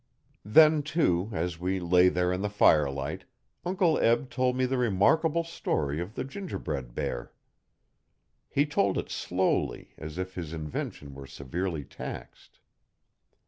Then, too, as we lay there in the firelight, Uncle Eb told the remarkable story of the gingerbread hear. He told it slowly, as if his invention were severely taxed.